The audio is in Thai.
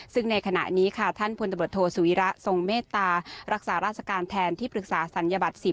ซึ่งในขณะนี้ค่ะท่านพลตำรวจโทษสุวิระทรงเมตตารักษาราชการแทนที่ปรึกษาศัลยบัตร๑๐